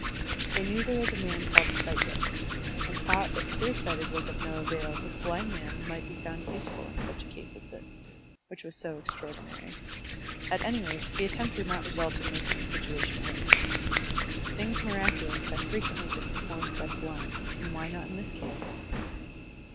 They knew there was a man called Sightless, and thought if Clear Sighted was of no avail this blind man might be fotmd useful in such a case as this, which was so extraordinary. At any rate, the attempt would not result in making the situation worse. Things miraculous have frequently been performed by the blind, and why not in this case?